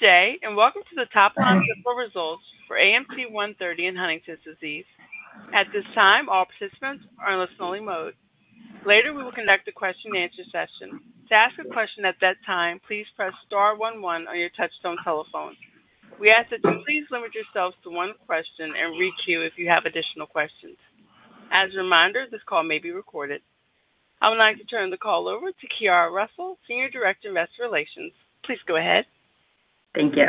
Today, and welcome to the top-month report results for AMT-130 in Huntington's disease. At this time, all participants are in listen-only mode. Later, we will conduct a question-and-answer session. To ask a question at that time, please press star 11 on your touch-tone telephone. We ask that you please limit yourself to one question and reach out if you have additional questions. As a reminder, this call may be recorded. I would like to turn the call over to Chiara Russo, Senior Director of Investor Relations. Please go ahead. Thank you.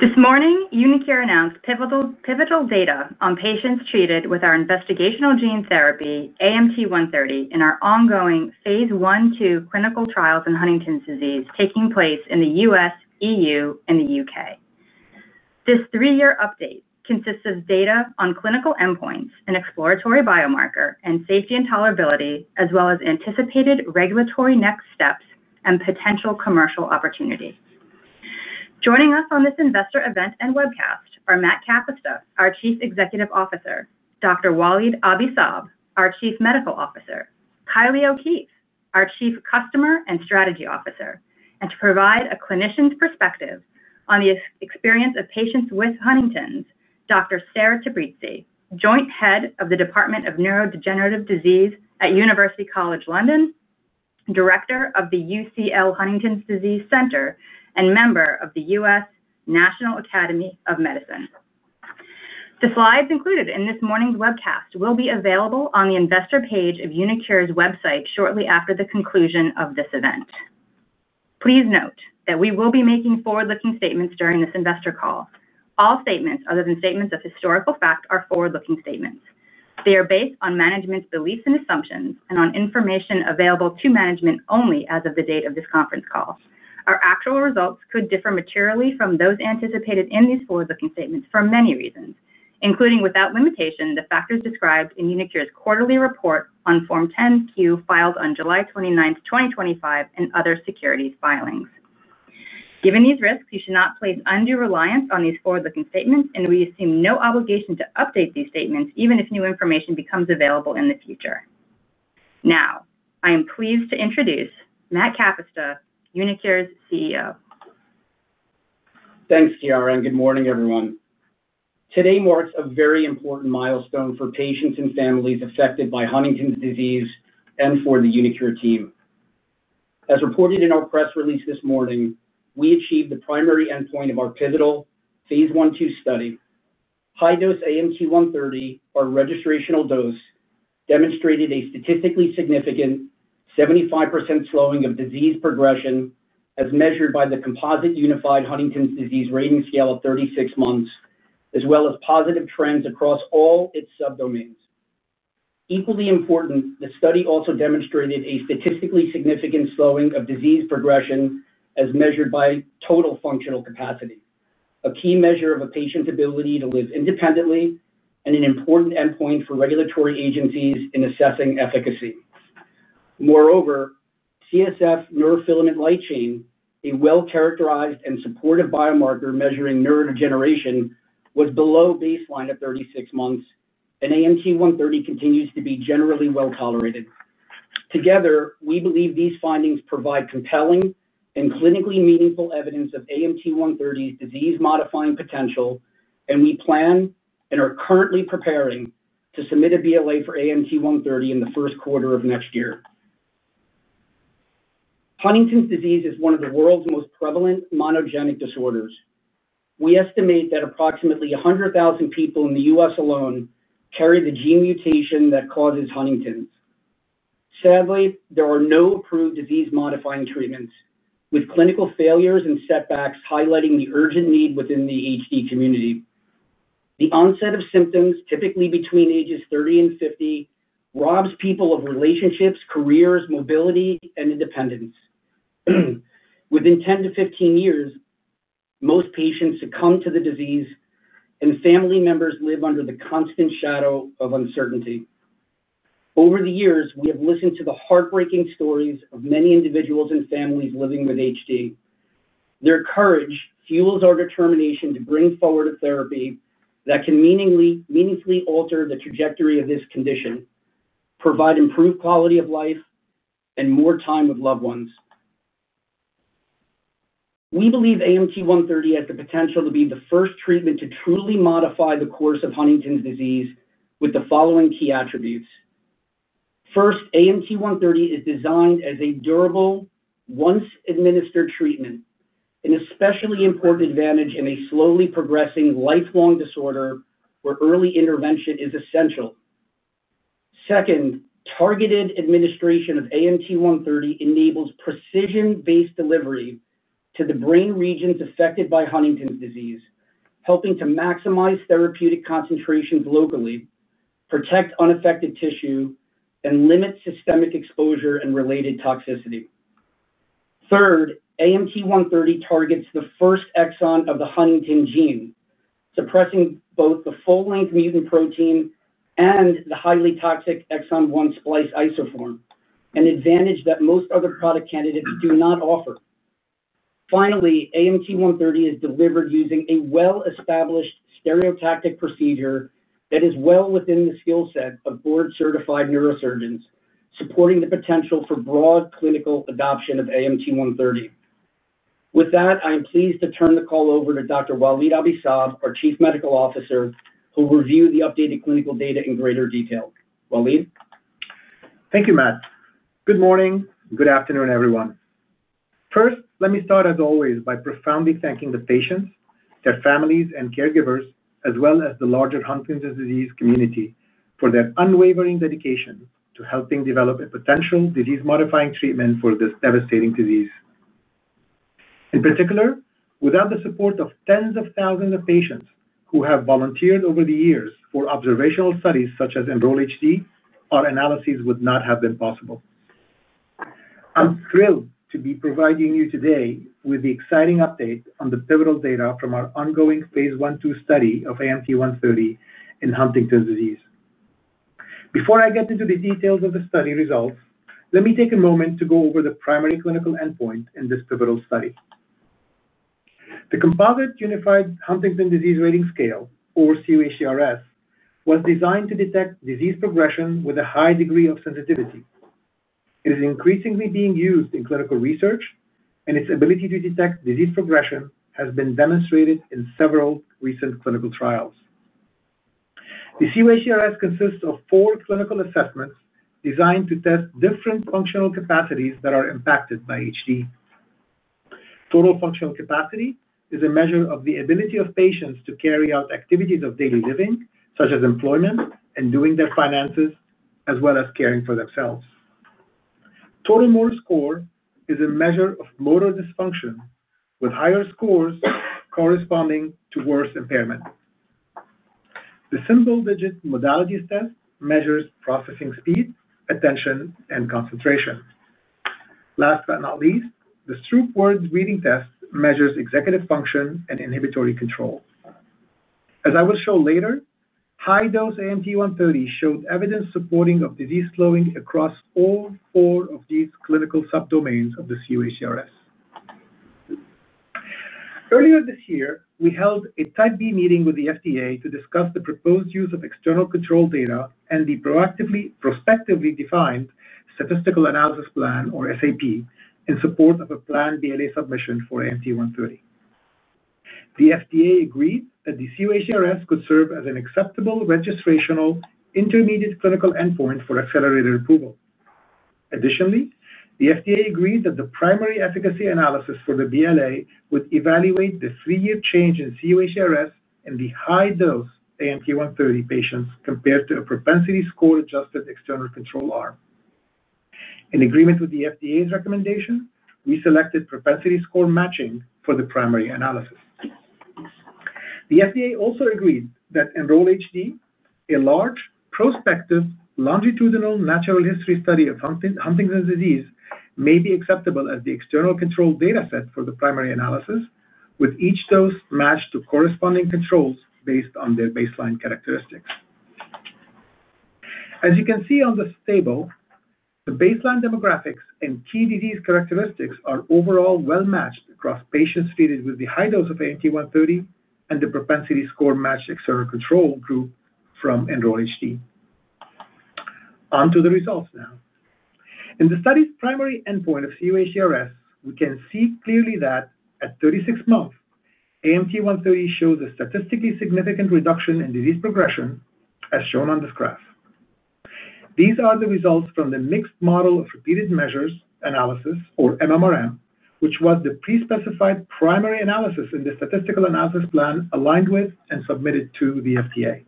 This morning, uniQure announced pivotal data on patients treated with our investigational gene therapy, AMT-130, in our ongoing Phase I/II clinical trials in Huntington's disease, taking place in the U.S., EU, and the UK. This three-year update consists of data on clinical endpoints and exploratory biomarker and safety and tolerability, as well as anticipated regulatory next steps and potential commercial opportunities. Joining us on this investor event and webcast are Matt Kapusta, our Chief Executive Officer, Dr. Walid Abi-Saab, our Chief Medical Officer, and Kylie O’Keefe, our Chief Customer and Strategy Officer. To provide a clinician's perspective on the experience of patients with Huntington's, Dr. Sarah Tabrizi, Joint Head of the Department of Neurodegenerative Disease at University College London, Director of the UCL Huntington’s Disease Center, and member of the U.S. National Academy of Medicine. The slides included in this morning's webcast will be available on the investor page of uniQure's website shortly after the conclusion of this event. Please note that we will be making forward-looking statements during this investor call. All statements, other than statements of historical facts, are forward-looking statements. They are based on management's beliefs and assumptions and on information available to management only as of the date of this conference call. Our actual results could differ materially from those anticipated in these forward-looking statements for many reasons, including without limitation the factors described in uniQure's quarterly report on Form 10-Q filed on July 29, 2025, and other securities filings. Given these risks, you should not place undue reliance on these forward-looking statements, and we assume no obligation to update these statements, even if new information becomes available in the future. Now, I am pleased to introduce Matt Kapusta, uniQure's CEO. Thanks, Chiara, and good morning, everyone. Today marks a very important milestone for patients and families affected by Huntington's disease and for the uniQure team. As reported in our press release this morning, we achieved the primary endpoint of our pivotal Phase I/II study. High-dose AMT-130, our registrational dose, demonstrated a statistically significant 75% slowing of disease progression as measured by the Composite Unified Huntington’s Disease Rating Scale at 36 months, as well as positive trends across all its subdomains. Equally important, the study also demonstrated a statistically significant slowing of disease progression as measured by Total Functional Capacity, a key measure of a patient's ability to live independently and an important endpoint for regulatory agencies in assessing efficacy. Moreover, CSF neurofilament light chain, a well-characterized and supportive biomarker measuring neurodegeneration, was below baseline at 36 months, and AMT-130 continues to be generally well tolerated. Together, we believe these findings provide compelling and clinically meaningful evidence of AMT-130's disease-modifying potential, and we plan and are currently preparing to submit a Biologics License Application for AMT-130 in the first quarter of next year. Huntington's disease is one of the world's most prevalent monogenic disorders. We estimate that approximately 100,000 people in the U.S. alone carry the gene mutation that causes Huntington's. Sadly, there are no approved disease-modifying treatments, with clinical failures and setbacks highlighting the urgent need within the HD community. The onset of symptoms, typically between ages 30 and 50, robs people of relationships, careers, mobility, and independence. Within 10 to 15 years, most patients succumb to the disease, and family members live under the constant shadow of uncertainty. Over the years, we have listened to the heartbreaking stories of many individuals and families living with HD. Their courage fuels our determination to bring forward a therapy that can meaningfully alter the trajectory of this condition, provide improved quality of life, and more time with loved ones. We believe AMT-130 has the potential to be the first treatment to truly modify the course of Huntington's disease with the following key attributes. First, AMT-130 is designed as a durable, once-administered treatment, an especially important advantage in a slowly progressing lifelong disorder where early intervention is essential. Second, targeted administration of AMT-130 enables precision-based delivery to the brain regions affected by Huntington's disease, helping to maximize therapeutic concentrations locally, protect unaffected tissue, and limit systemic exposure and related toxicity. Third, AMT-130 targets the first exon of the Huntington gene, suppressing both the full-length mutant protein and the highly toxic exon one splice isoform, an advantage that most other product candidates do not offer. Finally, AMT-130 is delivered using a well-established stereotactic procedure that is well within the skill set of board-certified neurosurgeons, supporting the potential for broad clinical adoption of AMT-130. With that, I am pleased to turn the call over to Dr. Walid Abi-Saab, our Chief Medical Officer, who will review the updated clinical data in greater detail. Walid. Thank you, Matt. Good morning. Good afternoon, everyone. First, let me start, as always, by profoundly thanking the patients, their families, and caregivers, as well as the larger Huntington's disease community for their unwavering dedication to helping develop a potential disease-modifying treatment for this devastating disease. In particular, without the support of tens of thousands of patients who have volunteered over the years for observational studies such as Enroll-HD, our analysis would not have been possible. I'm thrilled to be providing you today with the exciting update on the pivotal data from our ongoing Phase I/II study of AMT-130 in Huntington's disease. Before I get into the details of the study results, let me take a moment to go over the primary clinical endpoint in this pivotal study. The Composite Unified Huntington’s Disease Rating Scale, or CUHDRS, was designed to detect disease progression with a high degree of sensitivity. It is increasingly being used in clinical research, and its ability to detect disease progression has been demonstrated in several recent clinical trials. The CUHDRS consists of four clinical assessments designed to test different functional capacities that are impacted by HD. Total Functional Capacity is a measure of the ability of patients to carry out activities of daily living, such as employment and doing their finances, as well as caring for themselves. Total motor score is a measure of motor dysfunction, with higher scores corresponding to worse impairment. The single-digit modality test measures processing speed, attention, and concentration. Last but not least, the Stroop-Words reading test measures executive function and inhibitory control. As I will show later, high-dose AMT-130 showed evidence supporting disease slowing across all four of these clinical subdomains of the CUHDRS. Earlier this year, we held a Type B meeting with the FDA to discuss the proposed use of external control data and the prospectively defined statistical analysis plan, or SAP, in support of a planned Biologics License Application (BLA) submission for AMT-130. The FDA agreed that the CUHDRS could serve as an acceptable registrational intermediate clinical endpoint for accelerated approval. Additionally, the FDA agreed that the primary efficacy analysis for the BLA would evaluate the three-year change in CUHDRS in the high-dose AMT-130 patients compared to a propensity score-adjusted external control arm. In agreement with the FDA's recommendation, we selected propensity score matching for the primary analysis. The FDA also agreed that Enroll-HD, a large prospective longitudinal natural history study of Huntington's disease, may be acceptable as the external control data set for the primary analysis, with each dose matched to corresponding controls based on their baseline characteristics. As you can see on this table, the baseline demographics and key disease characteristics are overall well matched across patients treated with the high dose of AMT-130 and the propensity score matched external control group from Enroll-HD. Onto the results now. In the study's primary endpoint of CUHDRS, we can see clearly that at 36 months, AMT-130 shows a statistically significant reduction in disease progression, as shown on this graph. These are the results from the mixed model of repeated measures analysis, or MMRM, which was the pre-specified primary analysis in the statistical analysis plan aligned with and submitted to the FDA.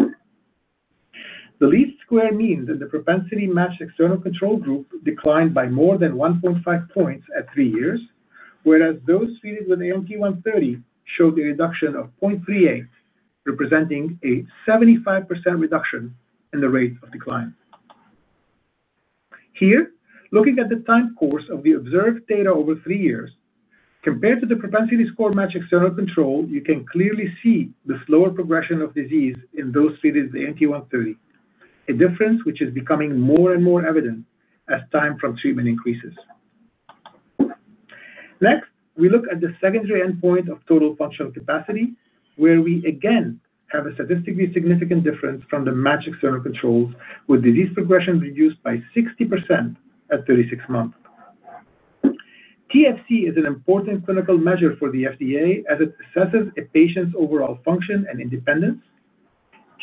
The least square means in the propensity matched external control group declined by more than 1.5 points at three years, whereas those treated with AMT-130 showed a reduction of 0.38, representing a 75% reduction in the rates of decline. Here, looking at the time course of the observed data over three years, compared to the propensity score matched external control, you can clearly see the slower progression of disease in those treated with AMT-130, a difference which is becoming more and more evident as time from treatment increases. Next, we look at the secondary endpoint of Total Functional Capacity, where we again have a statistically significant difference from the matched external controls, with disease progression reduced by 60% at 36 months. TFC is an important clinical measure for the FDA as it assesses a patient's overall function and independence.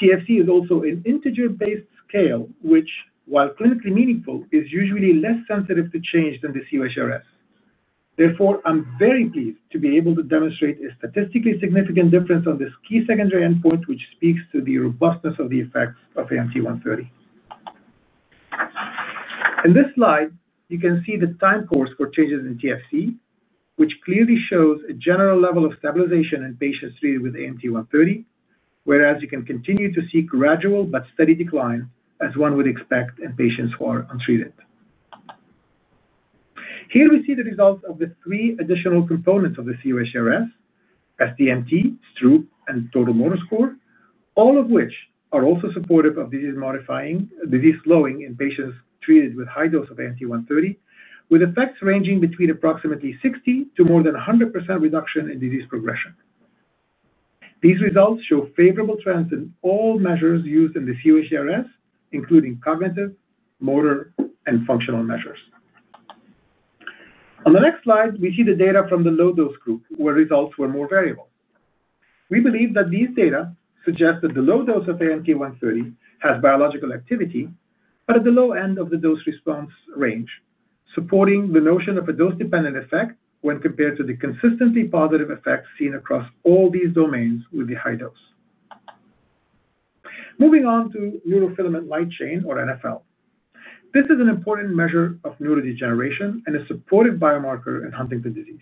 TFC is also an integer-based scale, which, while clinically meaningful, is usually less sensitive to change than the CUHDRS. Therefore, I'm very pleased to be able to demonstrate a statistically significant difference on this key secondary endpoint, which speaks to the robustness of the effects of AMT-130. In this slide, you can see the time course for changes in TFC, which clearly shows a general level of stabilization in patients treated with AMT-130, whereas you can continue to see gradual but steady decline, as one would expect in patients who are untreated. Here we see the results of the three additional components of the CUHDRS: SDMT, Stroop, and Total Motor Score, all of which are also supportive of disease-modifying, disease-slowing in patients treated with high dose of AMT-130, with effects ranging between approximately 60% to more than 100% reduction in disease progression. These results show favorable trends in all measures used in the CUHDRS, including cognitive, motor, and functional measures. On the next slide, we see the data from the low-dose group, where results were more variable. We believe that these data suggest that the low dose of AMT-130 has biological activity, but at the low end of the dose response range, supporting the notion of a dose-dependent effect when compared to the consistently positive effects seen across all these domains with the high dose. Moving on to neurofilament light chain, or NFL. This is an important measure of neurodegeneration and a supportive biomarker in Huntington's disease.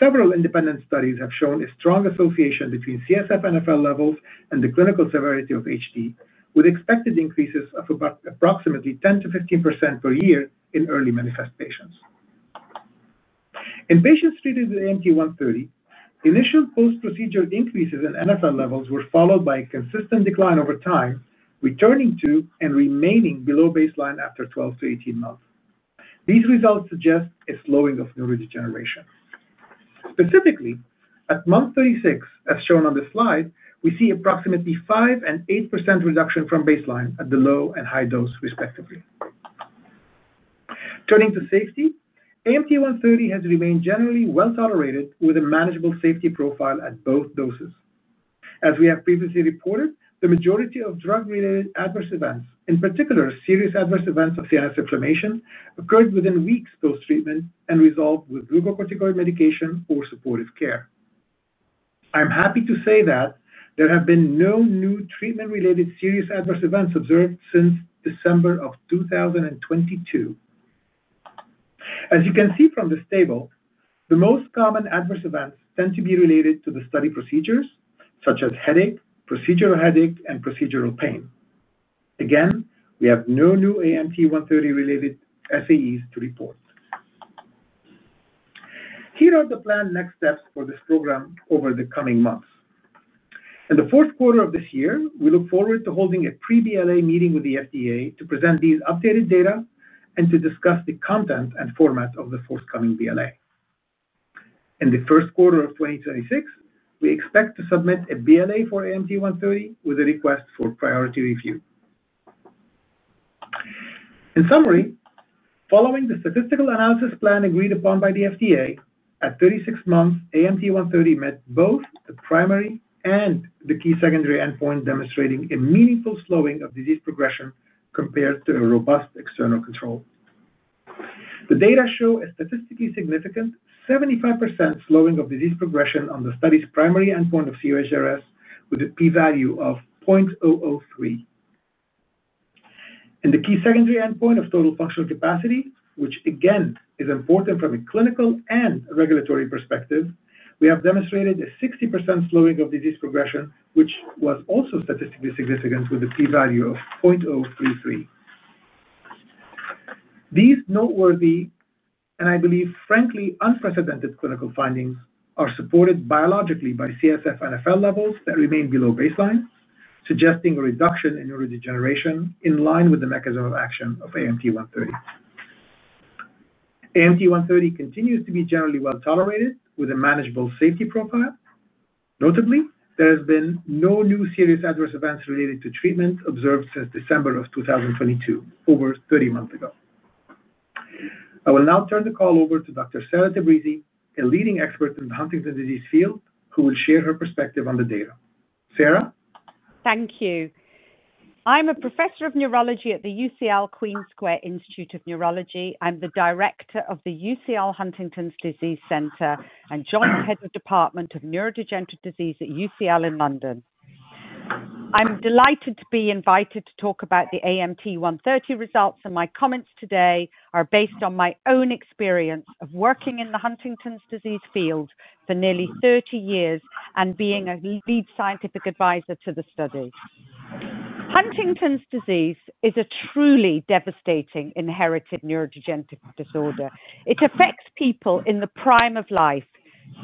Several independent studies have shown a strong association between CSF NFL levels and the clinical severity of HD, with expected increases of approximately 10% to 15% per year in early manifest patients. In patients treated with AMT-130, initial post-procedure increases in NFL levels were followed by a consistent decline over time, returning to and remaining below baseline after 12 to 18 months. These results suggest a slowing of neurodegeneration. Specifically, at month 36, as shown on this slide, we see approximately 5% and 8% reduction from baseline at the low and high dose, respectively. Turning to safety, AMT-130 has remained generally well tolerated, with a manageable safety profile at both doses. As we have previously reported, the majority of drug-related adverse events, in particular serious adverse events of sinus inflammation, occurred within weeks post-treatment and resolved with glucocorticoid medication or supportive care. I'm happy to say that there have been no new treatment-related serious adverse events observed since December of 2022. As you can see from this table, the most common adverse events tend to be related to the study procedures, such as headache, procedural headache, and procedural pain. Again, we have no new AMT-130-related SAEs to report. Here are the planned next steps for this program over the coming months. In the fourth quarter of this year, we look forward to holding a pre-BLA meeting with the FDA to present these updated data and to discuss the content and format of the forthcoming BLA. In the first quarter of 2026, we expect to submit a BLA for AMT-130 with a request for priority review. In summary, following the statistical analysis plan agreed upon by the FDA, at 36 months, AMT-130 met both a primary and the key secondary endpoint, demonstrating a meaningful slowing of disease progression compared to a robust external control. The data show a statistically significant 75% slowing of disease progression on the study's primary endpoint of CUHDRS, with a p-value of 0.003. In the key secondary endpoint of Total Functional Capacity, which again is important from a clinical and regulatory perspective, we have demonstrated a 60% slowing of disease progression, which was also statistically significant, with a p-value of 0.033. These noteworthy and, I believe, frankly unprecedented clinical findings are supported biologically by CSF neurofilament light chain levels that remain below baseline, suggesting a reduction in neurodegeneration in line with the mechanism of action of AMT-130. AMT-130 continues to be generally well tolerated, with a manageable safety profile. Notably, there have been no new serious adverse events related to treatment observed since December of 2022, over 30 months ago. I will now turn the call over to Dr. Sarah Tabrizi, a leading expert in the Huntington’s disease field, who will share her perspective on the data. Sarah. Thank you. I'm a Professor of Neurology at the UCL Queen's Square Institute of Neurology. I'm the Director of the UCL Huntington’s Disease Center and joint head of the Department of Neurodegenerative Disease at University College London in London. I'm delighted to be invited to talk about the AMT-130 results, and my comments today are based on my own experience of working in the Huntington’s disease field for nearly 30 years and being a lead scientific advisor to the study. Huntington’s disease is a truly devastating inherited neurodegenerative disorder. It affects people in the prime of life,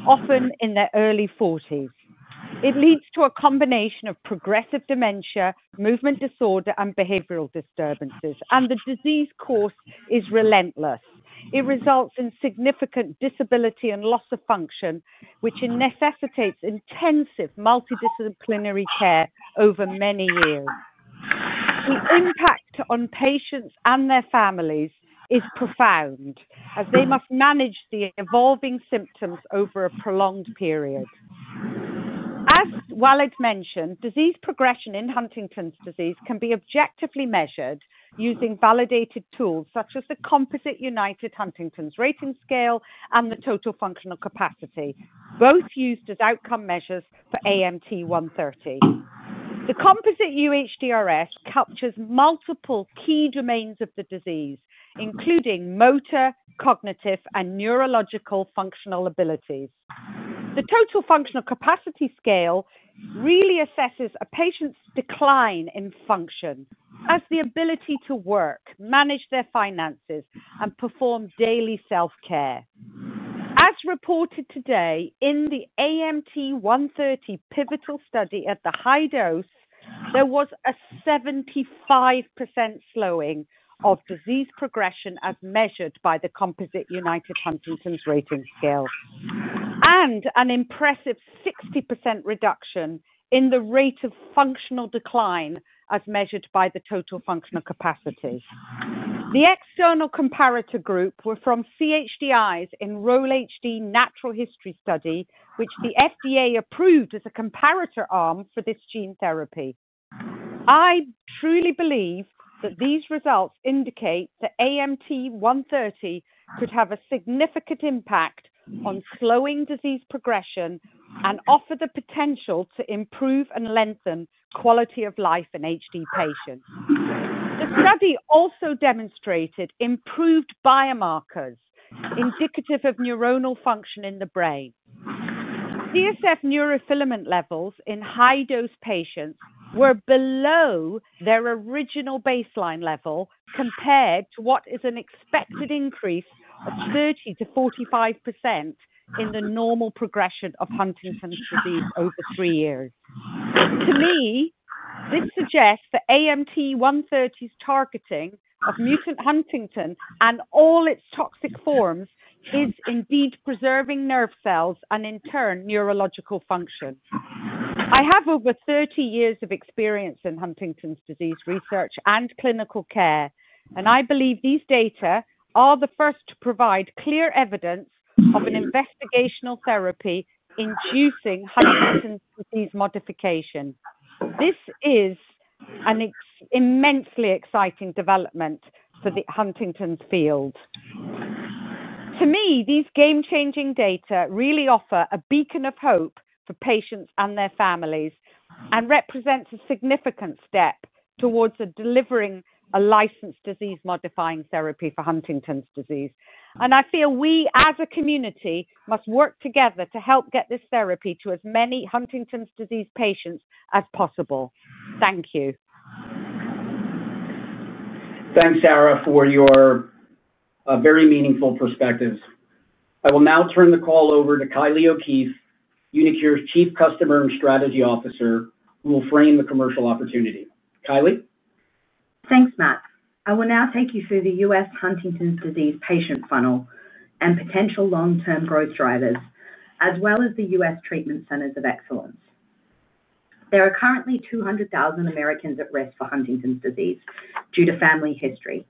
often in their early 40s. It leads to a combination of progressive dementia, movement disorder, and behavioral disturbances, and the disease course is relentless. It results in significant disability and loss of function, which necessitates intensive multidisciplinary care over many years. The impact on patients and their families is profound, as they must manage the evolving symptoms over a prolonged period. As Walid mentioned, disease progression in Huntington’s disease can be objectively measured using validated tools such as the Composite Unified Huntington’s Disease Rating Scale and the Total Functional Capacity, both used as outcome measures for AMT-130. The Composite UHDRS captures multiple key domains of the disease, including motor, cognitive, and neurological functional abilities. The Total Functional Capacity scale really assesses a patient’s decline in function as the ability to work, manage their finances, and perform daily self-care. As reported today in the AMT-130 pivotal study at the high dose, there was a 75% slowing of disease progression as measured by the Composite Unified Huntington’s Disease Rating Scale and an impressive 60% reduction in the rate of functional decline as measured by the Total Functional Capacity. The external comparator group were from CHDI’s Enroll-HD Natural History Study, which the FDA approved as a comparator arm for this gene therapy. I truly believe that these results indicate that AMT-130 could have a significant impact on slowing disease progression and offer the potential to improve and lengthen quality of life in HD patients. The study also demonstrated improved biomarkers indicative of neuronal function in the brain. CSF neurofilament levels in high-dose patients were below their original baseline level compared to what is an expected increase of 30% to 45% in the normal progression of Huntington’s disease over three years. To me, this suggests that AMT-130's targeting of mutant Huntington and all its toxic forms is indeed preserving nerve cells and, in turn, neurological function. I have over 30 years of experience in Huntington's disease research and clinical care, and I believe these data are the first to provide clear evidence of an investigational therapy inducing Huntington's disease modification. This is an immensely exciting development for the Huntington's field. To me, these game-changing data really offer a beacon of hope for patients and their families and represent a significant step towards delivering a licensed disease-modifying therapy for Huntington's disease. I feel we, as a community, must work together to help get this therapy to as many Huntington's disease patients as possible. Thank you. Thanks, Sarah, for your very meaningful perspectives. I will now turn the call over to Kylie O’Keefe, uniQure’s Chief Customer and Strategy Officer, who will frame the commercial opportunity. Kylie. Thanks, Matt. I will now take you through the U.S. Huntington's disease patient funnel and potential long-term growth drivers, as well as the U.S. treatment centers of excellence. There are currently 200,000 Americans at risk for Huntington's disease due to family history.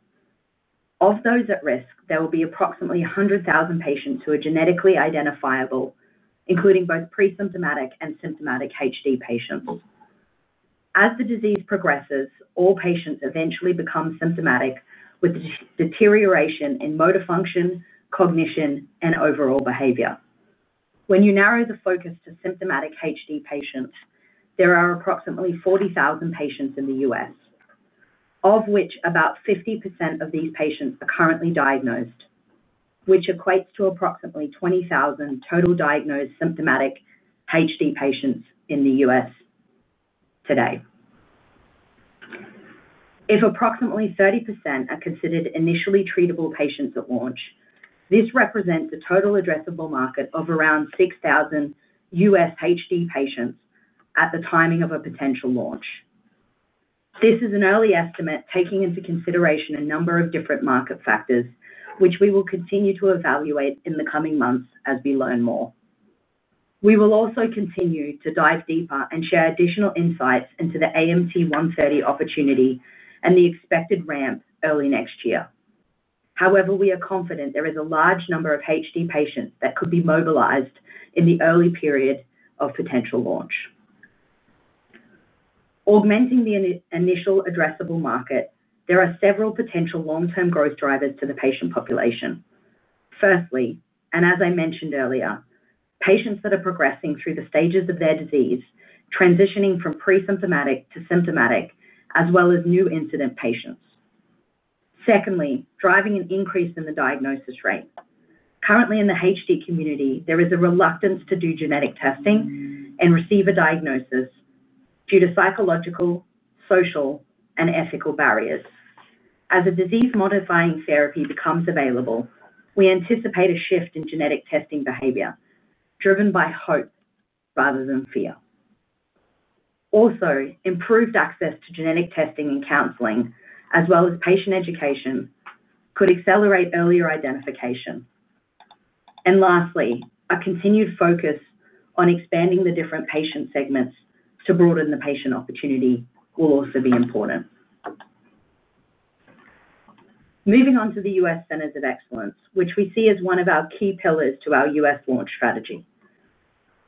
Of those at risk, there will be approximately 100,000 patients who are genetically identifiable, including both presymptomatic and symptomatic HD patients. As the disease progresses, all patients eventually become symptomatic with deterioration in motor function, cognition, and overall behavior. When you narrow the focus to symptomatic HD patients, there are approximately 40,000 patients in the U.S., of which about 50% of these patients are currently diagnosed, which equates to approximately 20,000 total diagnosed symptomatic HD patients in the U.S. today. If approximately 30% are considered initially treatable patients at launch, this represents a total addressable market of around 6,000 U.S. HD patients at the timing of a potential launch. This is an early estimate, taking into consideration a number of different market factors, which we will continue to evaluate in the coming months as we learn more. We will also continue to dive deeper and share additional insights into the AMT-130 opportunity and the expected ramp early next year. However, we are confident there is a large number of HD patients that could be mobilized in the early period of potential launch. Augmenting the initial addressable market, there are several potential long-term growth drivers to the patient population. Firstly, and as I mentioned earlier, patients that are progressing through the stages of their disease, transitioning from presymptomatic to symptomatic, as well as new incident patients. Secondly, driving an increase in the diagnosis rate. Currently, in the HD community, there is a reluctance to do genetic testing and receive a diagnosis due to psychological, social, and ethical barriers. As a disease-modifying therapy becomes available, we anticipate a shift in genetic testing behavior, driven by hope rather than fear. Also, improved access to genetic testing and counseling, as well as patient education, could accelerate earlier identification. Lastly, a continued focus on expanding the different patient segments to broaden the patient opportunity will also be important. Moving on to the U.S. centers of excellence, which we see as one of our key pillars to our U.S. launch strategy.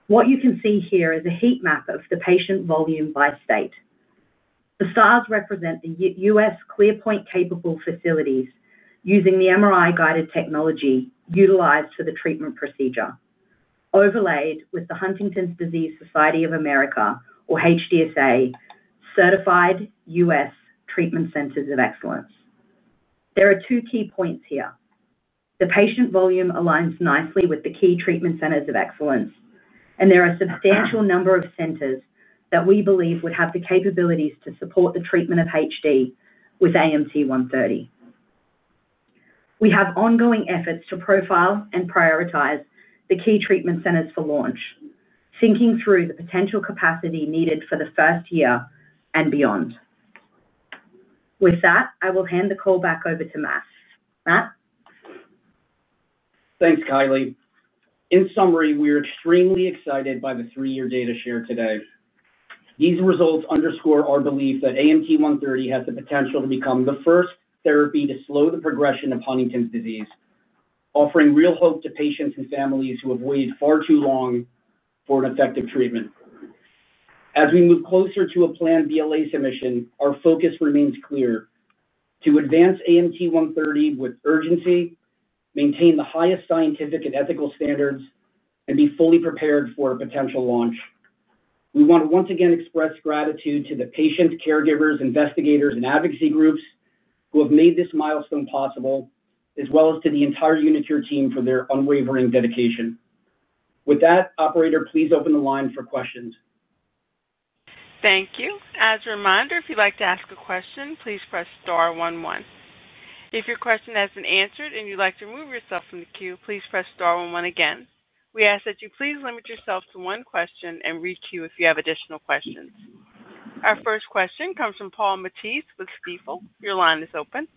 What you can see here is a heat map of the patient volume by state. The stars represent the U.S. ClearPoint capable facilities using the MRI-guided technology utilized for the treatment procedure, overlaid with the Huntington's Disease Society of America, or HDSA, certified U.S. treatment centers of excellence. There are two key points here. The patient volume aligns nicely with the key treatment centers of excellence, and there are a substantial number of centers that we believe would have the capabilities to support the treatment of HD with AMT-130. We have ongoing efforts to profile and prioritize the key treatment centers for launch, thinking through the potential capacity needed for the first year and beyond. With that, I will hand the call back over to Matt. Matt. Thanks, Kylie. In summary, we are extremely excited by the three-year data shared today. These results underscore our belief that AMT-130 has the potential to become the first therapy to slow the progression of Huntington's disease, offering real hope to patients and families who have waited far too long for an effective treatment. As we move closer to a planned BLA submission, our focus remains clear: to advance AMT-130 with urgency, maintain the highest scientific and ethical standards, and be fully prepared for a potential launch. We want to once again express gratitude to the patients, caregivers, investigators, and advocacy groups who have made this milestone possible, as well as to the entire uniQure team for their unwavering dedication. With that, operator, please open the line for questions. Thank you. As a reminder, if you'd like to ask a question, please press star 1 1. If your question has been answered and you'd like to remove yourself from the queue, please press star 1 1 again. We ask that you please limit yourself to one question and re-queue if you have additional questions. Our first question comes from Paul Matisse with Stifel. Your line is open.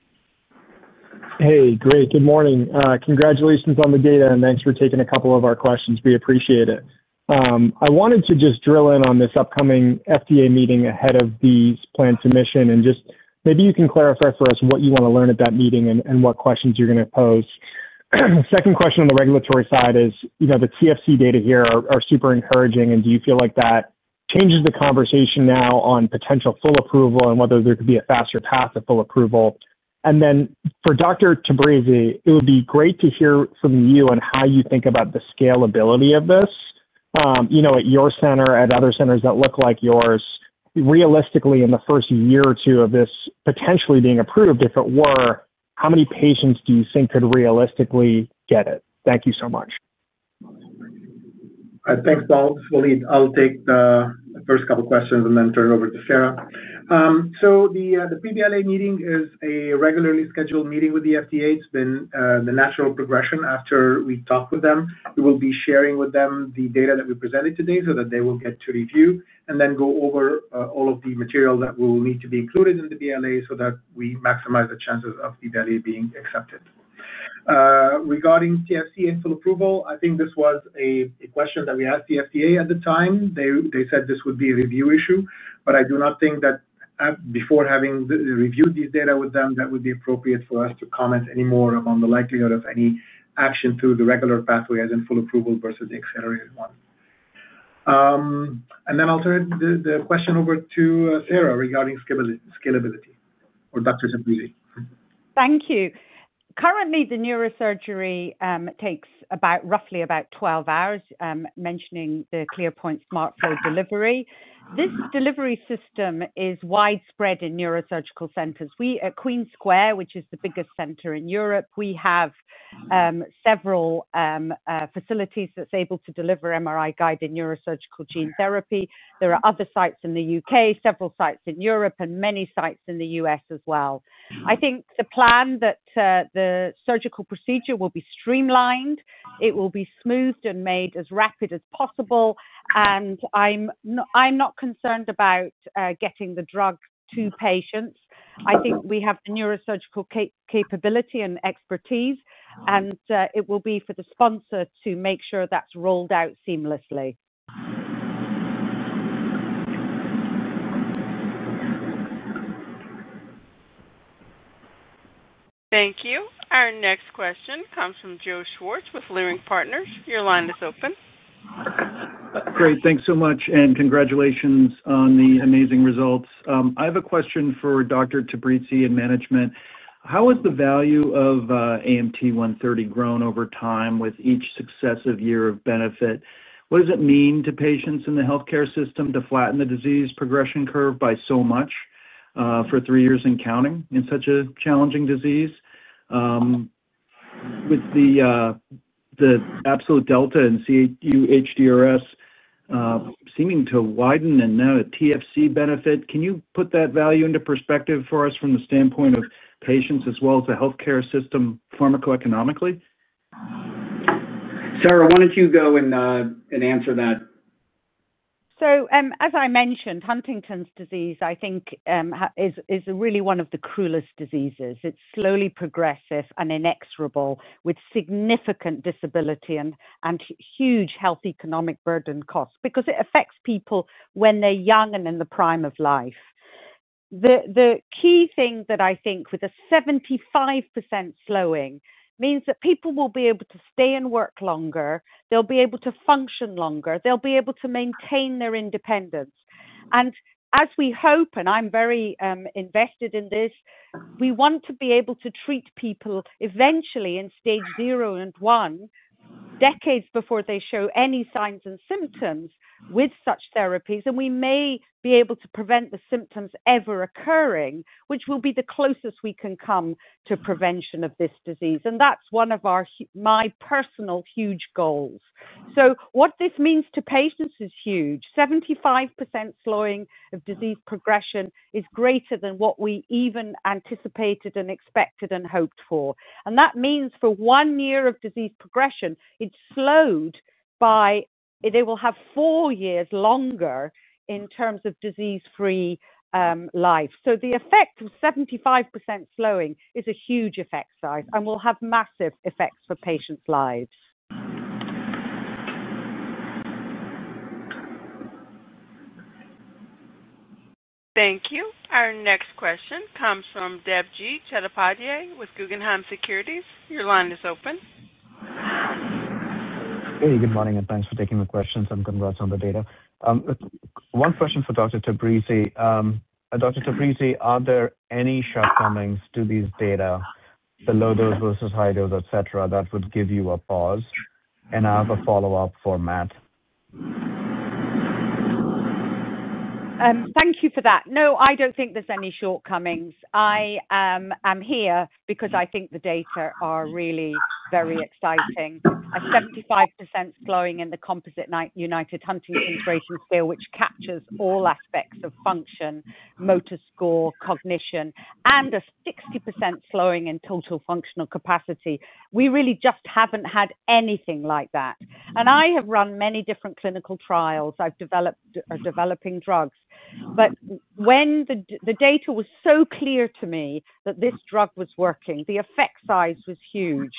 Hey, great. Good morning. Congratulations on the data, and thanks for taking a couple of our questions. We appreciate it. I wanted to just drill in on this upcoming FDA meeting ahead of the planned submission, and maybe you can clarify for us what you want to learn at that meeting and what questions you're going to pose. The second question on the regulatory side is, you know, the TFC data here are super encouraging, and do you feel like that changes the conversation now on potential full approval and whether there could be a faster path to full approval? For Dr. Tabrizi, it would be great to hear from you on how you think about the scalability of this. At your center, at other centers that look like yours, realistically, in the first year or two of this potentially being approved, if it were, how many patients do you think could realistically get it? Thank you so much. Thanks, Bob. Walid, I'll take the first couple of questions and then turn it over to Sarah. The pre-BLA meeting is a regularly scheduled meeting with the FDA. It's been the natural progression after we talked with them. We will be sharing with them the data that we presented today so that they will get to review and then go over all of the material that will need to be included in the BLA so that we maximize the chances of the BLA being accepted. Regarding TFC and full approval, I think this was a question that we asked the FDA at the time. They said this would be a review issue, but I do not think that before having reviewed these data with them, that would be appropriate for us to comment any more on the likelihood of any action through the regular pathway, as in full approval versus the accelerated one. I'll turn the question over to Dr. Tabrizi regarding scalability. Thank you. Currently, the neurosurgery takes roughly about 12 hours, mentioning the ClearPoint SmartFlow delivery. This delivery system is widespread in neurosurgical centers. We at Queen's Square, which is the biggest center in Europe, have several facilities that are able to deliver MRI-guided neurosurgical gene therapy. There are other sites in the UK, several sites in Europe, and many sites in the U.S. as well. I think the plan is that the surgical procedure will be streamlined. It will be smoothed and made as rapid as possible, and I'm not concerned about getting the drug to patients. I think we have the neurosurgical capability and expertise, and it will be for the sponsor to make sure that's rolled out seamlessly. Thank you. Our next question comes from Joe Schwartz with Leerink Partners. Your line is open. Great. Thanks so much, and congratulations on the amazing results. I have a question for Dr. Tabrizi and management. How has the value of AMT-130 grown over time with each successive year of benefit? What does it mean to patients in the health care system to flatten the disease progression curve by so much for three years and counting in such a challenging disease? With the absolute delta in CUHDRS seeming to widen and now a TFC benefit, can you put that value into perspective for us from the standpoint of patients as well as the health care system pharmacoeconomically? Sarah, why don't you go and answer that? As I mentioned, Huntington's disease, I think, is really one of the cruelest diseases. It's slowly progressive and inexorable, with significant disability and huge health economic burden costs because it affects people when they're young and in the prime of life. The key thing that I think with a 75% slowing means that people will be able to stay and work longer. They'll be able to function longer. They'll be able to maintain their independence. As we hope, and I'm very invested in this, we want to be able to treat people eventually in stage zero and one, decades before they show any signs and symptoms with such therapies, and we may be able to prevent the symptoms ever occurring, which will be the closest we can come to prevention of this disease. That's one of my personal huge goals. What this means to patients is huge. 75% slowing of disease progression is greater than what we even anticipated and expected and hoped for. That means for one year of disease progression, it's slowed by, it will have four years longer in terms of disease-free life. The effect of 75% slowing is a huge effect size and will have massive effects for patients' lives. Thank you. Our next question comes from Deb G. Chedepadia with Guggenheim Securities. Your line is open. Hey, good morning, and thanks for taking the questions and congrats on the data. One question for Dr. Tabrizi. Dr. Tabrizi, are there any shortcomings to these data, the low dose versus high dose, et cetera, that would give you a pause? I have a follow-up for Matt. Thank you for that. No, I don't think there's any shortcomings. I am here because I think the data are really very exciting. A 75% slowing in the Composite Unified Huntington’s Disease Rating Scale, which captures all aspects of function, motor score, cognition, and a 60% slowing in Total Functional Capacity. We really just haven't had anything like that. I have run many different clinical trials. I've developed or developing drugs. When the data was so clear to me that this drug was working, the effect size was huge.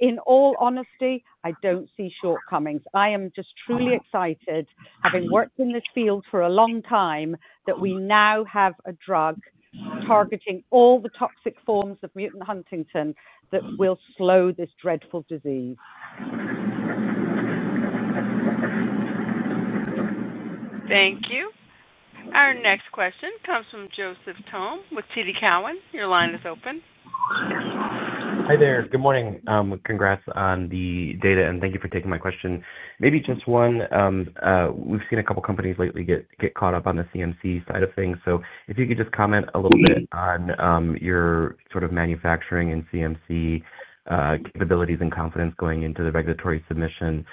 In all honesty, I don't see shortcomings. I am just truly excited, having worked in this field for a long time, that we now have a drug targeting all the toxic forms of mutant Huntington that will slow this dreadful disease. Thank you. Our next question comes from Joseph Tome with TD Cowen. Your line is open. Hi there. Good morning. Congrats on the data, and thank you for taking my question. Maybe just one. We've seen a couple of companies lately get caught up on the CMC side of things. If you could just comment a little bit on your sort of manufacturing and CMC capabilities and confidence going into the regulatory submission.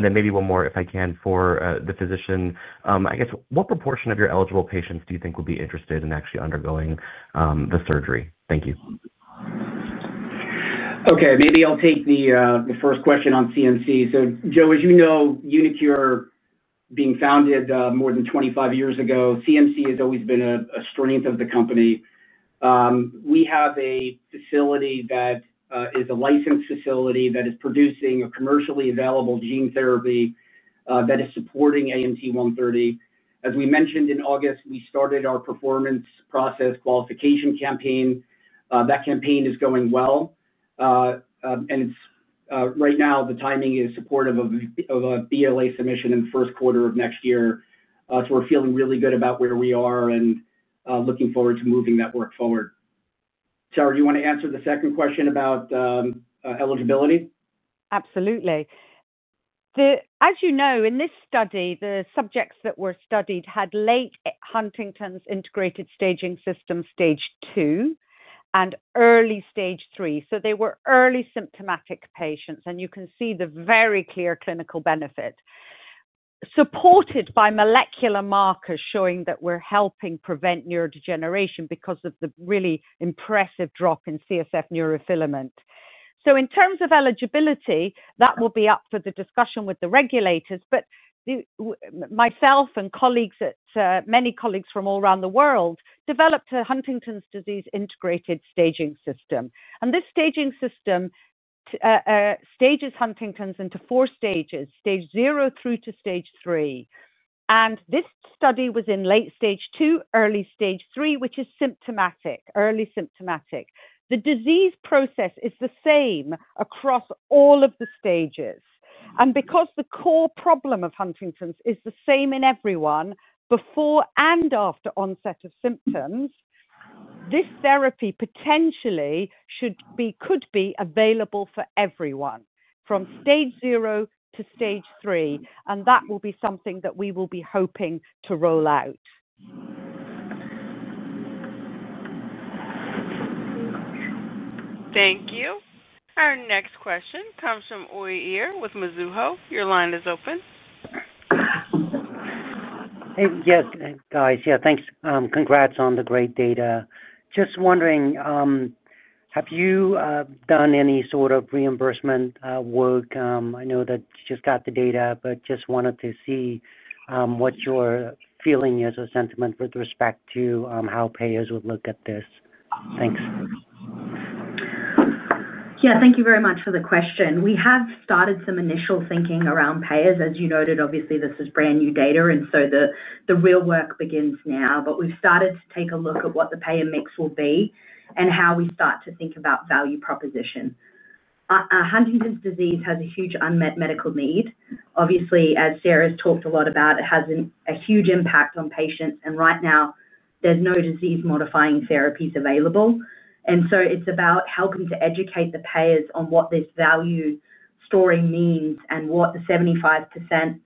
Maybe one more, if I can, for the physician. I guess, what proportion of your eligible patients do you think would be interested in actually undergoing the surgery? Thank you. OK, maybe I'll take the first question on CMC. Joe, as you know, uniQure being founded more than 25 years ago, CMC has always been a strength of the company. We have a facility that is a licensed facility that is producing a commercially available gene therapy that is supporting AMT-130. As we mentioned in August, we started our performance process qualification campaign. That campaign is going well. Right now, the timing is supportive of a BLA submission in the first quarter of next year. We're feeling really good about where we are and looking forward to moving that work forward. Sarah, do you want to answer the second question about eligibility? Absolutely. As you know, in this study, the subjects that were studied had late Huntington's integrated staging system, stage two, and early stage three. They were early symptomatic patients, and you can see the very clear clinical benefit supported by molecular markers showing that we're helping prevent neurodegeneration because of the really impressive drop in CSF neurofilament. In terms of eligibility, that will be up for the discussion with the regulators. Myself and many colleagues from all around the world developed a Huntington's disease integrated staging system. This staging system stages Huntington's into four stages, stage zero through to stage three. This study was in late stage two, early stage three, which is symptomatic, early symptomatic. The disease process is the same across all of the stages. Because the core problem of Huntington's is the same in everyone before and after onset of symptoms, this therapy potentially could be available for everyone from stage zero to stage three. That will be something that we will be hoping to roll out. Thank you. Our next question comes from Oyeer with Mizuho. Your line is open. Yeah, thanks. Congrats on the great data. Just wondering, have you done any sort of reimbursement work? I know that you just got the data, but just wanted to see what your feeling is or sentiment with respect to how payers would look at this. Thanks. Yeah, thank you very much for the question. We have started some initial thinking around payers. As you noted, obviously, this is brand new data, and the real work begins now. We've started to take a look at what the payer mix will be and how we start to think about value proposition. Huntington's disease has a huge unmet medical need. Obviously, as Sarah has talked a lot about, it has a huge impact on patients. Right now, there's no disease-modifying therapies available. It's about helping to educate the payers on what this value story means and what the 75%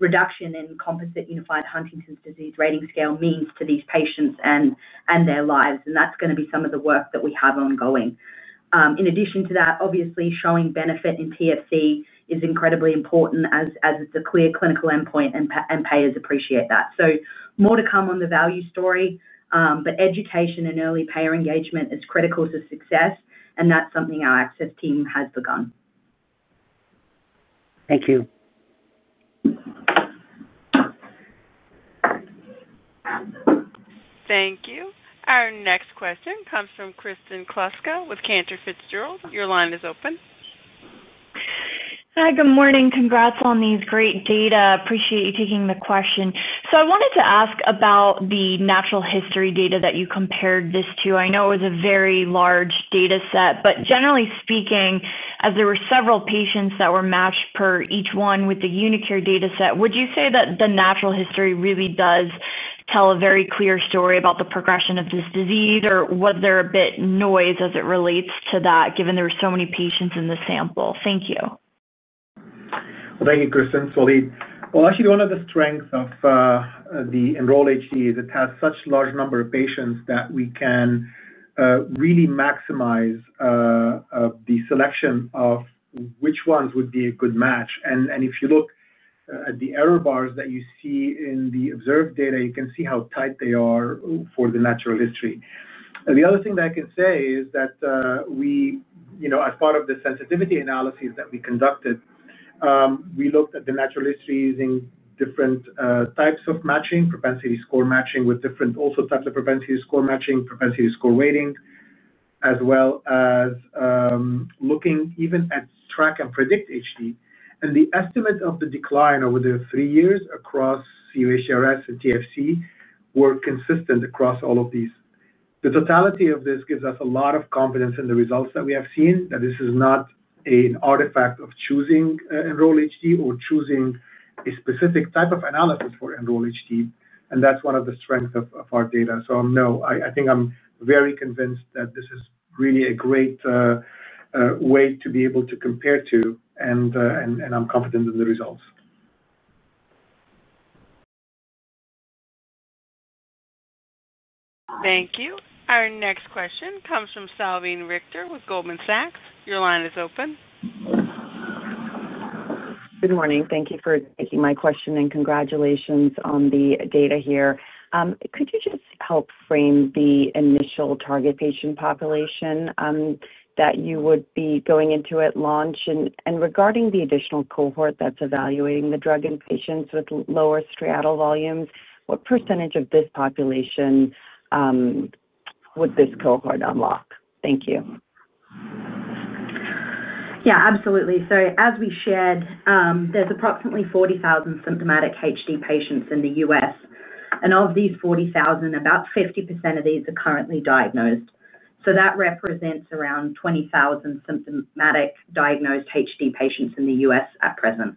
reduction in Composite Unified Huntington’s Disease Rating Scale means to these patients and their lives. That is going to be some of the work that we have ongoing. In addition to that, showing benefit in Total Functional Capacity is incredibly important as the clear clinical endpoint, and payers appreciate that. More to come on the value story, but education and early payer engagement is critical to success, and that's something our access team has begun. Thank you. Thank you. Our next question comes from Kristen Kloska with Cantor Fitzgerald. Your line is open. Hi, good morning. Congrats on these great data. Appreciate you taking the question. I wanted to ask about the natural history data that you compared this to. I know it was a very large data set, but generally speaking, as there were several patients that were matched per each one with the uniQure data set, would you say that the natural history really does tell a very clear story about the progression of this disease, or was there a bit of noise as it relates to that, given there were so many patients in the sample? Thank you. Thank you, Kristen. Walid, actually, one of the strengths of the Enroll-HD is it has such a large number of patients that we can really maximize the selection of which ones would be a good match. If you look at the error bars that you see in the observed data, you can see how tight they are for the natural history. The other thing that I can say is that we, as part of the sensitivity analysis that we conducted, looked at the natural history using different types of matching, propensity score matching with different types of propensity score matching, propensity score weighting, as well as looking even at TRACK-HD and PREDICT-HD. The estimate of the decline over the three years across CUHDRS and TFC were consistent across all of these. The totality of this gives us a lot of confidence in the results that we have seen, that this is not an artifact of choosing Enroll-HD or choosing a specific type of analysis for Enroll-HD. That's one of the strengths of our data. I think I'm very convinced that this is really a great way to be able to compare to, and I'm confident in the results. Thank you. Our next question comes from Salveen Richter with Goldman Sachs. Your line is open. Good morning. Thank you for taking my question, and congratulations on the data here. Could you just help frame the initial target patient population that you would be going into at launch? Regarding the additional cohort that's evaluating the drug in patients with lower striatal volumes, what % of this population would this cohort unlock? Thank you. Yeah, absolutely. As we shared, there's approximately 40,000 symptomatic HD patients in the U.S. Of these 40,000, about 50% of these are currently diagnosed. That represents around 20,000 symptomatic diagnosed HD patients in the U.S. at present.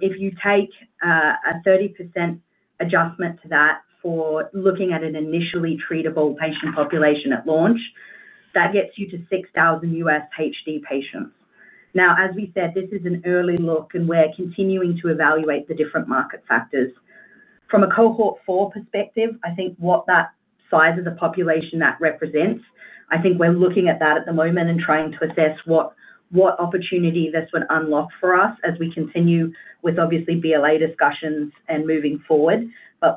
If you take a 30% adjustment to that for looking at an initially treatable patient population at launch, that gets you to 6,000 U.S. HD patients. This is an early look, and we're continuing to evaluate the different market factors. From a cohort four perspective, I think what that size of the population represents, we're looking at that at the moment and trying to assess what opportunity this would unlock for us as we continue with, obviously, BLA discussions and moving forward.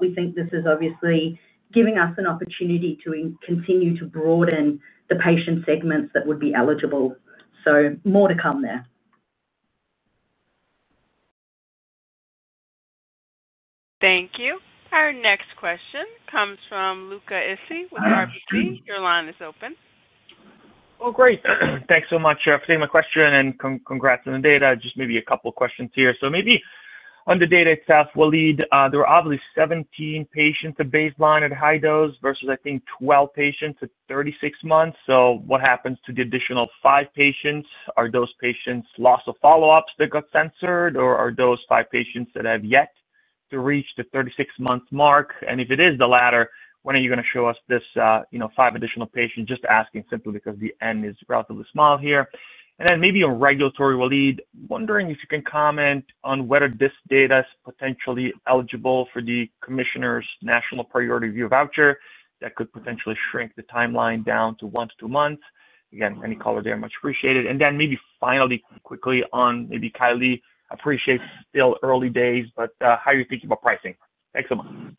We think this is obviously giving us an opportunity to continue to broaden the patient segments that would be eligible. More to come there. Thank you. Our next question comes from Luca Essi with RBG. Your line is open. Thank you so much for taking my question and congrats on the data. Just maybe a couple of questions here. On the data itself, Walid, there were obviously 17 patients at baseline at high dose versus, I think, 12 patients at 36 months. What happens to the additional five patients? Are those patients loss of follow-ups that got censored, or are those five patients that have yet to reach the 36-month mark? If it is the latter, when are you going to show us this five additional patients? Just asking simply because the N is relatively small here. Maybe a regulatory, Walid, wondering if you can comment on whether this data is potentially eligible for the commissioner's national priority review voucher that could potentially shrink the timeline down to one to two months. Any call or data much appreciated. Finally, quickly, on maybe Kylie, I appreciate still early days, but how are you thinking about pricing? Thank you so much.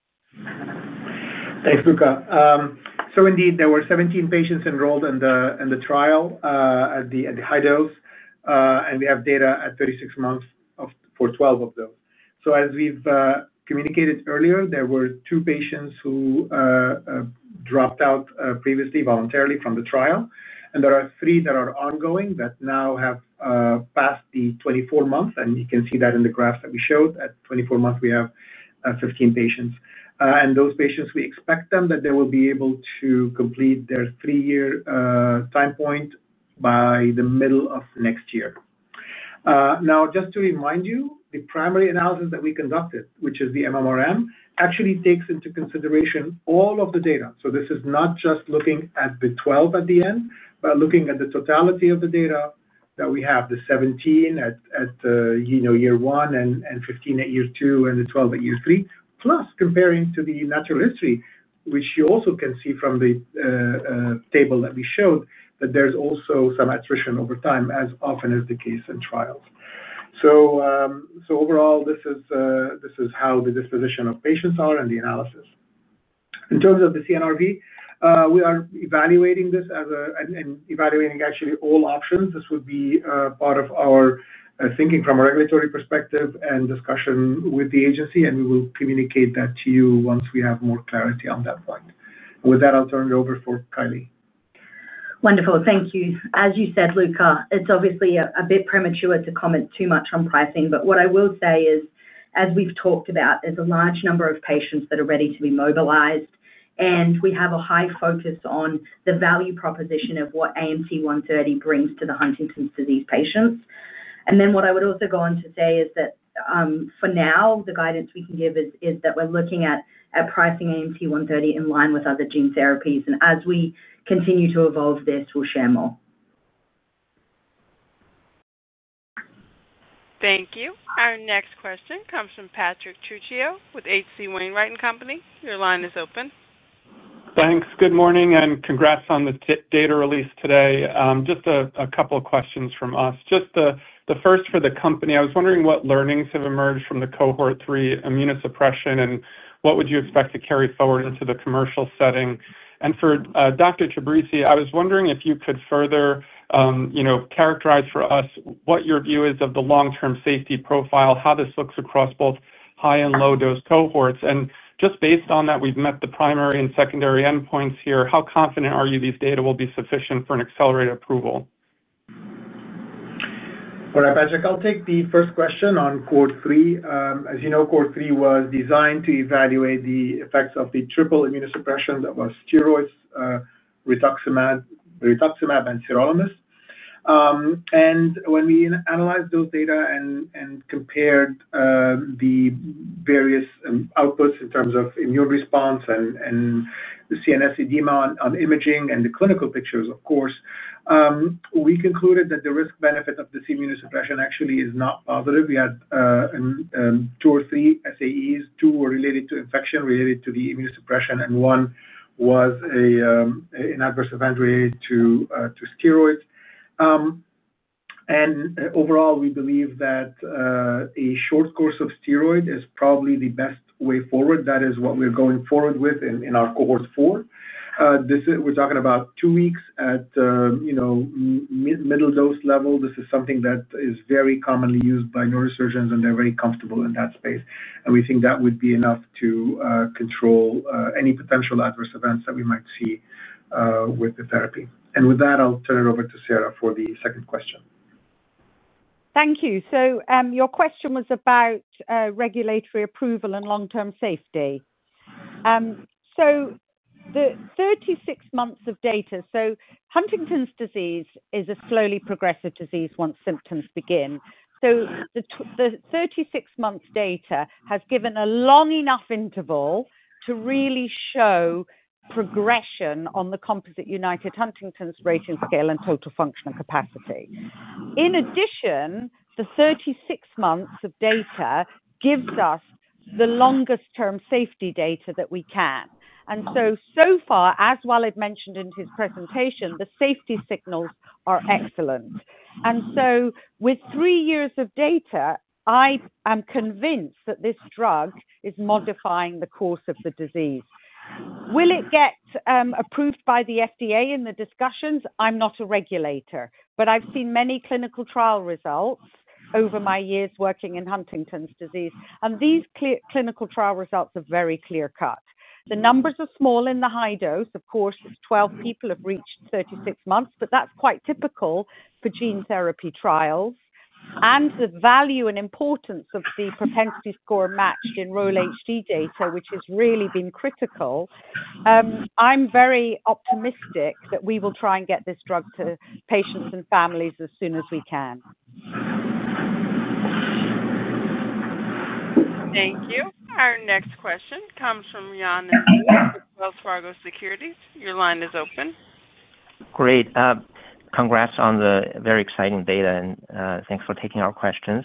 Thanks, Luca. Indeed, there were 17 patients enrolled in the trial at the high dose, and we have data at 36 months for 12 of those. As we've communicated earlier, there were two patients who dropped out previously voluntarily from the trial, and there are three that are ongoing that now have passed the 24 months. You can see that in the graph that we showed. At 24 months, we have 15 patients. Those patients, we expect them that they will be able to complete their three-year time point by the middle of next year. Just to remind you, the primary analysis that we conducted, which is the MMRM, actually takes into consideration all of the data. This is not just looking at the 12 at the end, but looking at the totality of the data that we have, the 17 at year one and 15 at year two and the 12 at year three, plus comparing to the natural history, which you also can see from the table that we showed, that there's also some attrition over time, as often is the case in trials. Overall, this is how the disposition of patients are and the analysis. In terms of the CNRV, we are evaluating this and evaluating actually all options. This would be part of our thinking from a regulatory perspective and discussion with the agency, and we will communicate that to you once we have more clarity on that point. With that, I'll turn it over for Kylie. Wonderful. Thank you. As you said, Luca, it's obviously a bit premature to comment too much on pricing. What I will say is, as we've talked about, there's a large number of patients that are ready to be mobilized, and we have a high focus on the value proposition of what AMT-130 brings to the Huntington's disease patients. What I would also go on to say is that for now, the guidance we can give is that we're looking at pricing AMT-130 in line with other gene therapies. As we continue to evolve this, we'll share more. Thank you. Our next question comes from Patrick Tuccio with HC Wainwright & Company. Your line is open. Thanks. Good morning, and congrats on the data release today. Just a couple of questions from us. The first for the company. I was wondering what learnings have emerged from the cohort three immunosuppression, and what would you expect to carry forward into the commercial setting? For Dr. Tabrizi, I was wondering if you could further characterize for us what your view is of the long-term safety profile, how this looks across both high and low-dose cohorts. Based on that, we've met the primary and secondary endpoints here. How confident are you these data will be sufficient for an accelerated approval? All right, Patrick. I'll take the first question on cohort three. As you know, cohort three was designed to evaluate the effects of the triple immunosuppression that was steroids, rituximab, and tacrolimus. When we analyzed those data and compared the various outputs in terms of immune response and the CNS edema on imaging and the clinical pictures, of course, we concluded that the risk-benefit of this immunosuppression actually is not positive. We had two or three SAEs. Two were related to infection, related to the immunosuppression, and one was an adverse event related to steroids. Overall, we believe that a short course of steroids is probably the best way forward. That is what we're going forward with in our cohort four. We're talking about two weeks at a middle-dose level. This is something that is very commonly used by neurosurgeons, and they're very comfortable in that space. We think that would be enough to control any potential adverse events that we might see with the therapy. With that, I'll turn it over to Sarah for the second question. Thank you. Your question was about regulatory approval and long-term safety. The 36 months of data, so Huntington's disease is a slowly progressive disease once symptoms begin. The 36-month data has given a long enough interval to really show progression on the Composite Unified Huntington’s Disease Rating Scale and Total Functional Capacity. In addition, the 36 months of data gives us the longest-term safety data that we can. So far, as Walid mentioned in his presentation, the safety signals are excellent. With three years of data, I am convinced that this drug is modifying the course of the disease. Will it get approved by the FDA in the discussions? I'm not a regulator, but I've seen many clinical trial results over my years working in Huntington's disease. These clinical trial results are very clear-cut. The numbers are small in the high dose. Of course, 12 people have reached 36 months, but that's quite typical for gene therapy trials. The value and importance of the propensity score matched in Enroll-HD data, which has really been critical. I'm very optimistic that we will try and get this drug to patients and families as soon as we can. Thank you. Our next question comes from Yan Nzing from Wells Fargo Securities. Your line is open. Great. Congrats on the very exciting data, and thanks for taking our questions.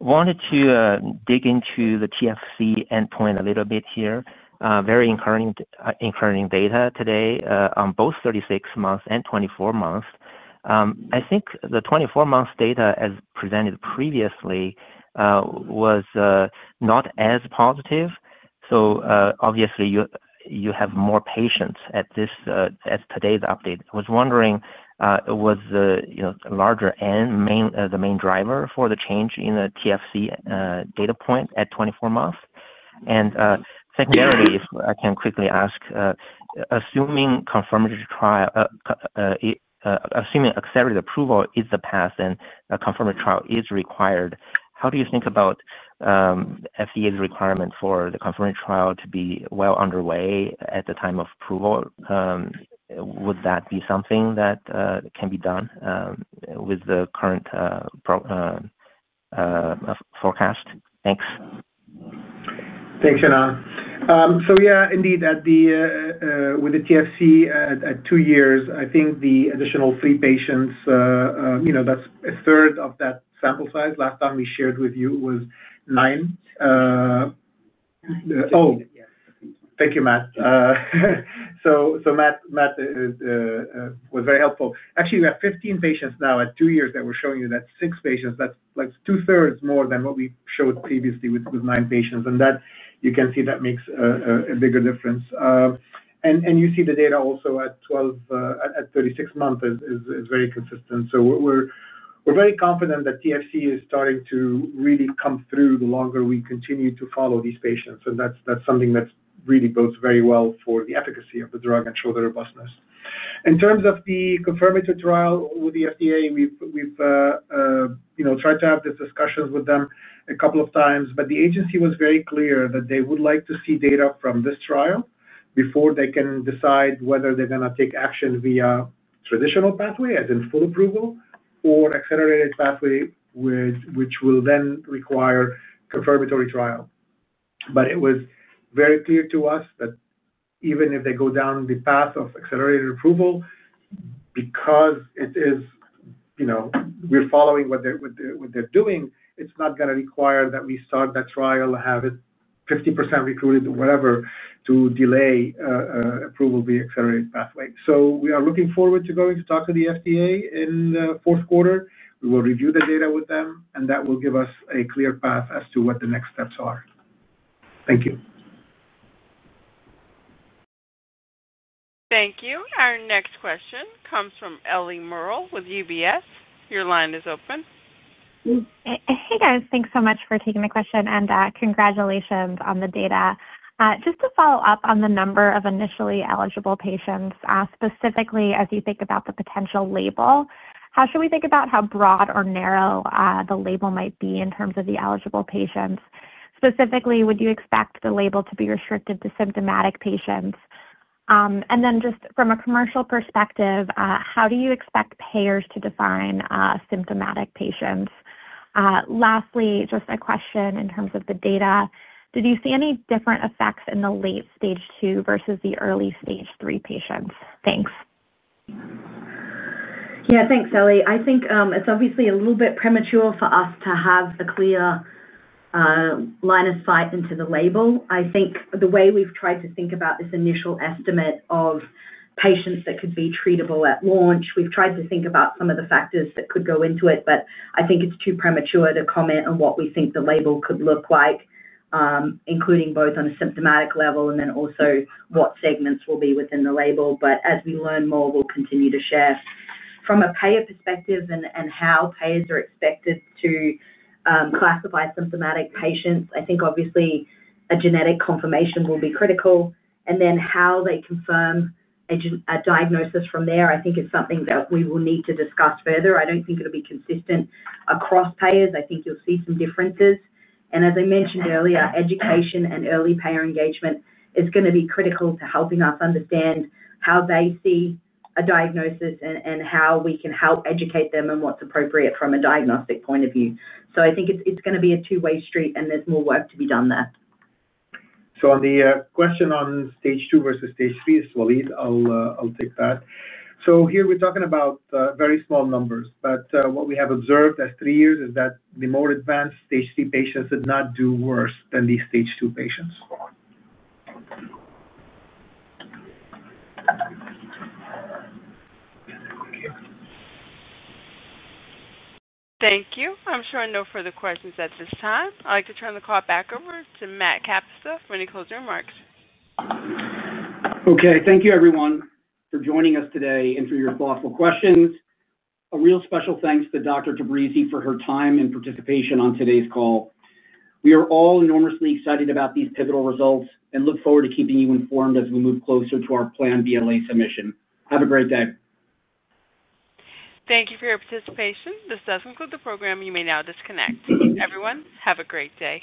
Wanted to dig into the TFC endpoint a little bit here. Very encouraging data today on both 36 months and 24 months. I think the 24-month data, as presented previously, was not as positive. Obviously, you have more patients at today's update. I was wondering, was the larger N the main driver for the change in the TFC data point at 24 months? Secondarily, if I can quickly ask, assuming accelerated approval is the path and a confirmed trial is required, how do you think about FDA's requirement for the confirmed trial to be well underway at the time of approval? Would that be something that can be done with the current forecast? Thanks. Thanks, Shinan. Indeed, with the TFC at two years, I think the additional three patients, you know, that's a third of that sample size. Last time we shared with you, it was nine. Nine. Thank you, Matt. Matt was very helpful. Actually, we have 15 patients now at two years that we're showing you. That is six patients, that's like two-thirds more than what we showed previously with nine patients. You can see that makes a bigger difference. You see the data also at 12 and 36 months is very consistent. We are very confident that TFC is starting to really come through the longer we continue to follow these patients. That really bodes very well for the efficacy of the drug and shows the robustness. In terms of the confirmatory trial with the FDA, we've tried to have these discussions with them a couple of times, but the agency was very clear that they would like to see data from this trial before they can decide whether they're going to take action via traditional pathway, as in full approval, or accelerated pathway, which will then require a confirmatory trial. It was very clear to us that even if they go down the path of accelerated approval, because we're following what they're doing, it's not going to require that we start that trial, have it 50% recruited or whatever, to delay approval via accelerated pathway. We are looking forward to going to talk to the FDA in the fourth quarter. We will review the data with them, and that will give us a clear path as to what the next steps are. Thank you. Thank you. Our next question comes from Ellie Murrell with UBS. Your line is open. Hey, guys. Thanks so much for taking the question, and congratulations on the data. Just to follow up on the number of initially eligible patients, specifically, as you think about the potential label, how should we think about how broad or narrow the label might be in terms of the eligible patients? Specifically, would you expect the label to be restricted to symptomatic patients? Just from a commercial perspective, how do you expect payers to define symptomatic patients? Lastly, just a question in terms of the data. Did you see any different effects in the late stage two versus the early stage three patients? Thanks. Yeah, thanks, Ellie. I think it's obviously a little bit premature for us to have a clear line of sight into the label. I think the way we've tried to think about this initial estimate of patients that could be treatable at launch, we've tried to think about some of the factors that could go into it, but I think it's too premature to comment on what we think the label could look like, including both on a symptomatic level and also what segments will be within the label. As we learn more, we'll continue to share. From a payer perspective and how payers are expected to classify symptomatic patients, I think obviously a genetic confirmation will be critical. How they confirm a diagnosis from there, I think, is something that we will need to discuss further. I don't think it'll be consistent across payers. I think you'll see some differences. As I mentioned earlier, education and early payer engagement is going to be critical to helping us understand how they see a diagnosis and how we can help educate them on what's appropriate from a diagnostic point of view. I think it's going to be a two-way street, and there's more work to be done there. On the question on stage two versus stage three, it's Walid. I'll take that. Here we're talking about very small numbers, but what we have observed at three years is that the more advanced stage three patients did not do worse than these stage two patients. Thank you. I'm sure no further questions at this time. I'd like to turn the call back over to Matt Kapusta for any closing remarks. Okay. Thank you, everyone, for joining us today and for your thoughtful questions. A real special thanks to Dr. Tabrizi for her time and participation on today's call. We are all enormously excited about these pivotal results and look forward to keeping you informed as we move closer to our planned BLA submission. Have a great day. Thank you for your participation. This does conclude the program. You may now disconnect. Everyone, have a great day.